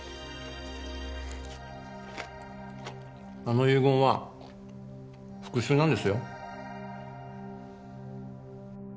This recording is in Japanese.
あの遺言は復讐なんですよ。